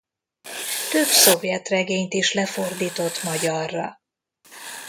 Több szovjet regényt is lefordított magyarra.